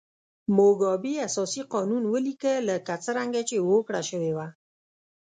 موګابي اساسي قانون ولیکه لکه څنګه چې هوکړه شوې وه.